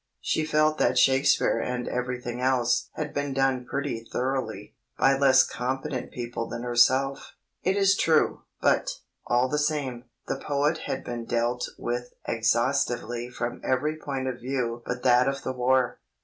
She felt that "Shakespeare and Everything Else" had been done pretty thoroughly—by less competent people than herself, it is true; but, all the same, the poet had been dealt with exhaustively from every point of view but that of the War.